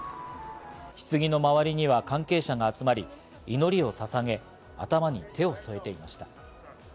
棺の周りには関係者が集まり祈りを捧げ、頭に手を添えていました。